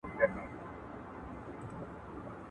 نه يوه له بله ځان سو خلاصولاى!